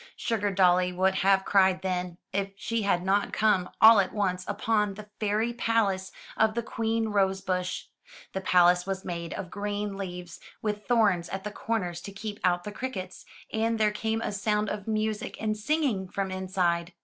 SugardoUy would have cried then, if she had not come, all at once, upon the fairy palace of the Queen Rosebush. The palace was made of green leaves, with thorns at the corners to keep out the crickets, and there came a sound of music and singing from inside.